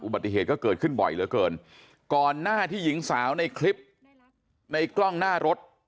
ปฏิเหตุก็เกิดขึ้นบ่อยเหลือเกินก่อนหน้าที่หญิงสาวในคลิปในกล้องหน้ารถ